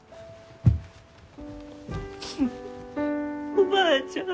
おばあちゃん。